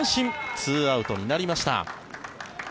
２アウトになりました。